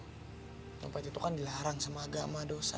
tompet itu kan dilarang sama agama dosa